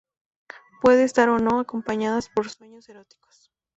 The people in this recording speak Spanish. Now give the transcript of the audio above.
Pueden estar, o no, acompañadas por sueños eróticos.